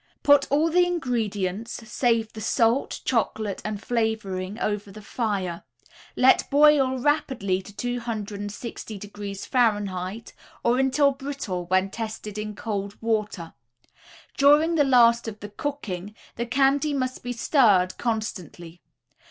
Put all the ingredients, save the salt, chocolate and flavoring, over the fire; let boil rapidly to 260°F., or until brittle when tested in cold water. During the last of the cooking the candy must be stirred constantly.